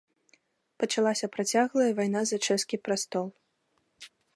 Пачалася працяглая вайна за чэшскі прастол.